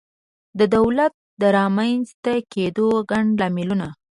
د دولت د رامنځته کېدو ګڼ لاملونه